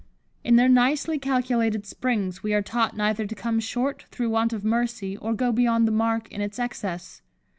In their nicely calculated springs, we are taught neither to come short through want of mercy, or go beyond the mark in its excess.